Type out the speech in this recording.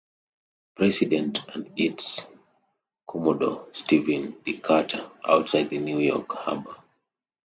"President" and its commodore Stephen Decatur, outside the New York Harbor.